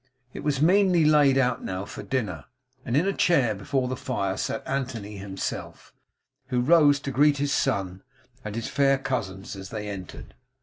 It was meanly laid out now for dinner; and in a chair before the fire sat Anthony himself, who rose to greet his son and his fair cousins as they entered.